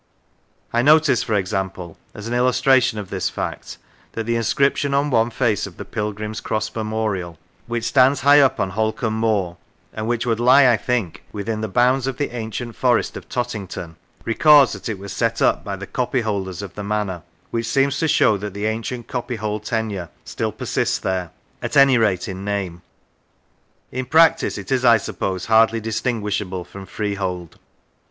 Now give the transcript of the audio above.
I noticed, for example, as an illustration of this fact, that the inscription on one face of the Pilgrim's Cross memorial (which stands high up on Holcombe Moor, and which would lie, I think, within the bounds of the ancient Forest of in Lancashire Tottington) records that it was set up by the copy holders of the manor, which seems to show that the ancient copyhold tenure still persists there, at any rate in name; in practice, it is, I suppose, hardly distin guishable from freehold.